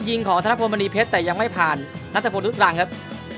ยิงของทางภพมณีเพชรแต่ยังไม่ผ่านนัทธพงษ์รุดรังครับ